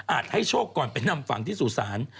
ให้โชคก่อนไปนำฝังที่สู่ศาล